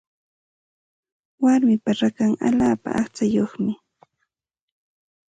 Warmipa rakan allaapa aqchayuqmi.